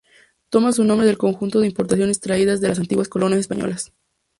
Toma su nombre del conjunto de importaciones traídas de las antiguas colonias españolas.